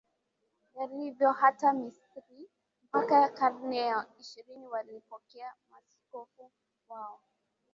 yalivyo hata Misri Mpaka karne ya ishirini walipokea Maaskofu wao